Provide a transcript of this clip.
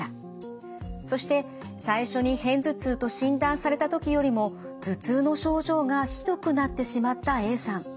そして最初に片頭痛と診断された時よりも頭痛の症状がひどくなってしまったＡさん。